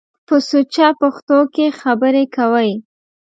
په سوچه پښتو کښ خبرې کوٸ۔